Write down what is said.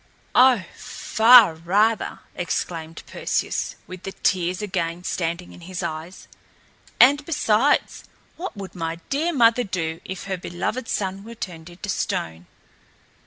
"Oh, far rather!" exclaimed Perseus, with the tears again standing in his eyes. "And, besides, what would my dear mother do if her beloved son were turned into a stone?"